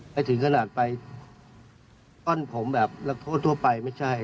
ถึงขนาดไปป้อนผมแบบนักโทษทั่วไปไม่ใช่